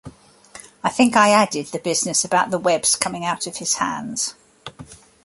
I think I added the business about the webs coming out of his hands.